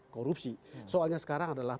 korupsi soalnya sekarang adalah